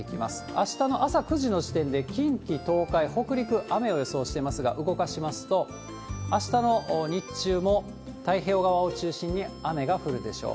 あしたの朝９時の時点で近畿、東海、北陸、雨を予想していますが、動かしますと、あしたの日中も、太平洋側を中心に雨が降るでしょう。